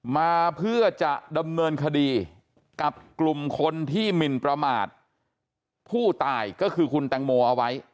มาเพื่อจะดำเนินคดีกับกลุ่มคนที่หมินประมาทผู้ตายก็คือคุณแตงโมเอาไว้